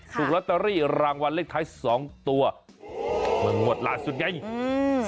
ถูกลอตเตอรี่รางวัลเลขท้ายสองตัวเมืองหมดล่าสุดไงอืม